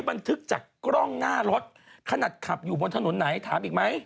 บันทึกจากกล้องหน้ารถขนาดขับอยู่บนถนนไหนถามอีกไหม